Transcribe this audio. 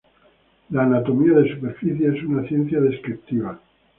La anatomía de superficie es una ciencia descriptiva.